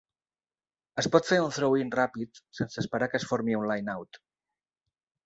Es pot fer un "throw-in" ràpid sense esperar que es formi un "line-out".